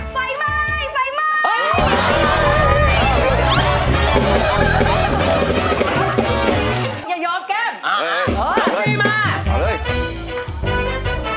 ไฟไม้ไฟไม้